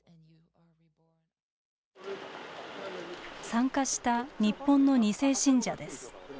参加した日本の２世信者です。